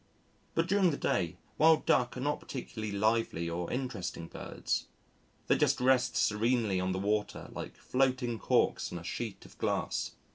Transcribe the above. But during the day Wild Duck are not particularly lively or interesting birds. They just rest serenely on the water like floating corks on a sheet of glass.